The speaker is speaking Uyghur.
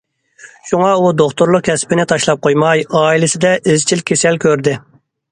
شۇڭا ئۇ دوختۇرلۇق كەسپىنى تاشلاپ قويماي، ئائىلىسىدە ئىزچىل كېسەل كۆردى.